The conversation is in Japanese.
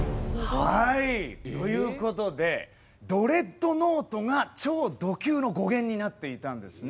はいということでドレッドノートが「超ド級」の語源になっていたんですね。